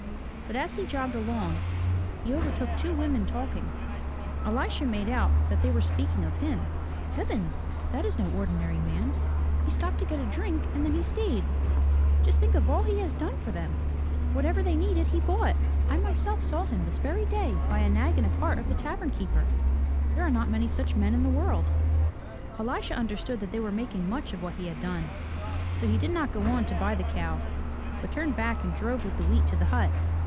But as he jogged along he overtook two women talking. Elisha made out that they were speaking of him. "Heavens! That is no ordinary man. He stopped to get a drink and then he stayed. Just think of all he has done for them ! Whatever they needed, he bought! I myself saw him this very day buy a nag and a cart of the tavern keeper. There are not many such men in the world.'' MY BOOK HOUSE Elisha understood that they were making much of what he had done. So he did not go on to buy the cow but turned back and drove with the wheat to the hut.